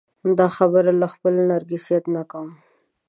دا خبره له خپل نرګسیت نه کوم.